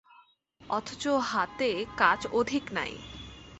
অথচ হাতে কাজ অধিক নাই।